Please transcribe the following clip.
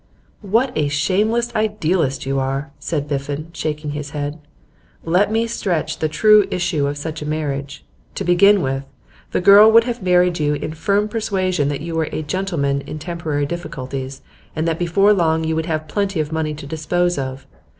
'What a shameless idealist you are!' said Biffen, shaking his head. 'Let me sketch the true issue of such a marriage. To begin with, the girl would have married you in firm persuasion that you were a "gentleman" in temporary difficulties, and that before long you would have plenty of money to dispose of.